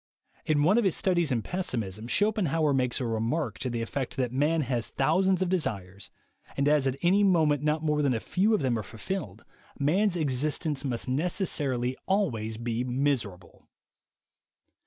In one of his studies in pessimism, Schopenhauer makes a remark to the effect that man has thousands of desires, and as at any moment not more than a few of them are fulfilled, man's existence must THE WAY TO WILL POWER 59 necessarily always be miserable.